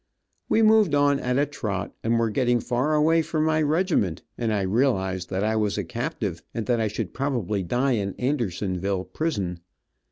We moved on at a trot, and were getting far away from my regiment, and I realized that I was a captive, and that I should probably die in Andersonville prison.